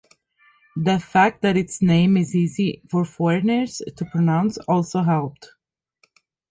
The fact that its name is easy for foreigners to pronounce also helped.